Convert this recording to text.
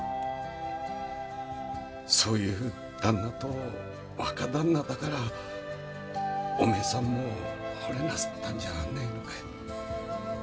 そういう旦那と若旦那だからお前さんも惚れなすったんじゃねえのかい？